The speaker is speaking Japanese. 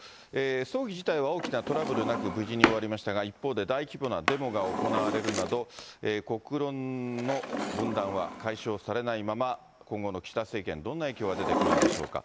葬儀自体は大きなトラブルなく、無事に終わりましたが、一方で大規模なデモが行われるなど、国論の分断は解消されないまま、今後の岸田政権、どんな影響が出てくるのでしょうか。